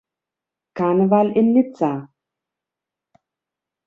Karneval in Nizza.